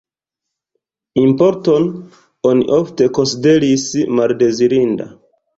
Importon oni ofte konsideris maldezirinda.